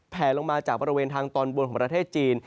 แผลลงมาจากบริเวณทางตอนบนของประเทศจีน